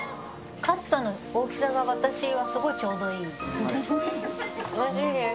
カットの大きさが私はすごいちょうどいい。